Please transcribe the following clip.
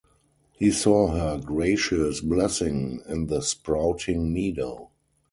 He saw her gracious blessing in the sprouting meadow.